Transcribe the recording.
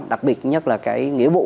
đặc biệt nhất là cái nghĩa vụ